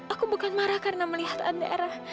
aku bukan marah karena melihat anak